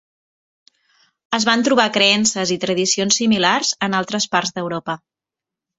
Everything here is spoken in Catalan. Es van trobar creences i tradicions similars en altres parts d'Europa.